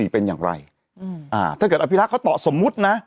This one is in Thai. เป็นอย่างไรถ้าเกิดอภิรักษ์เขาตอบสมมุตินะ